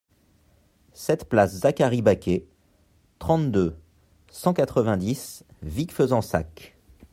sept place Zaccharie Baqué, trente-deux, cent quatre-vingt-dix, Vic-Fezensac